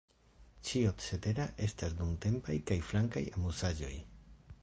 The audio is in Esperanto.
Ĉio cetera estas dumtempaj kaj flankaj amuzaĵoj.